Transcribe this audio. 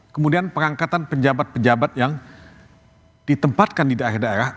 kemudian perangkatan penjabat penjabat yang ditempatkan di daerah daerah